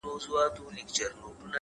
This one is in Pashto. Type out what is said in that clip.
هره تجربه د راتلونکې پانګه ده!